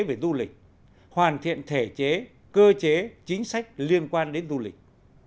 về du lịch hoàn thiện thể chế cơ chế chính sách liên quan đến du lịch